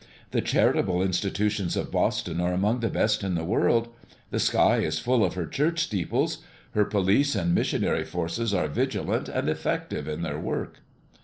The charitable institutions of Boston are among the best in the world, the sky is full of her church steeples, her police and missionary forces are vigilant and effective in their work."